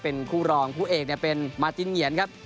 เป็นคู่รองคู่เอกเป็นมาร์ตินเงียนครับ